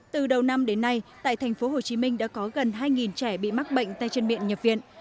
từ đầu năm đến nay tại thành phố hồ chí minh đã có gần hai trẻ bị mắc bệnh tay chân miệng nhập viện